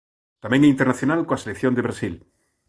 Tamén é internacional coa selección de Brasil.